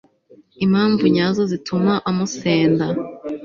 impamvu nyazo zituma amusenda